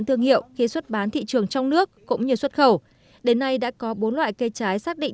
thương hiệu khi xuất bán thị trường trong nước cũng như xuất khẩu đến nay đã có bốn loại cây trái xác định